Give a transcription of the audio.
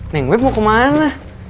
nengwek mau kemana